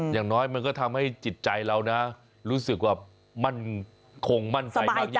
อย่างน้อยมันก็ทำให้จิตใจเรานะรู้สึกว่ามั่นคงมั่นใจมากยิ่ง